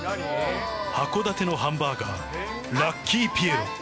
函館のハンバーガー、ラッキーピエロ。